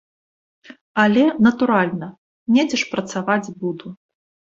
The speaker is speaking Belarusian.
Але, натуральна, недзе ж працаваць буду.